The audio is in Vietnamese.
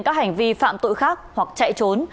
các hành vi phạm tội khác hoặc chạy trốn